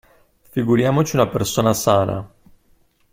Figuriamoci una persona sana.